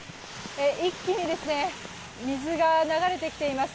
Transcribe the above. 一気に水が流れてきています。